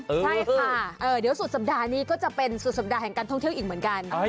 ใช่ค่ะเดี๋ยวสุดสัปดาห์นี้ก็จะเป็นสุดสัปดาห์แห่งการท่องเที่ยวอีกเหมือนกัน